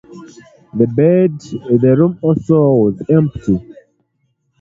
The bed, the room also, was empty.